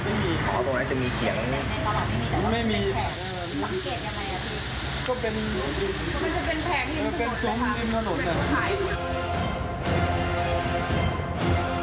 เป็นซ้มริมถนน